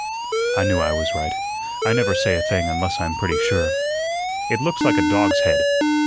"I knew I was right. I never say a thing unless I'm pretty sure." "It looks like a dog's head."